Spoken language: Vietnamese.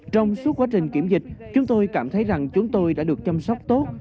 trong suốt quá trình kiểm dịch chúng tôi cảm thấy rằng chúng tôi đã được chăm sóc tốt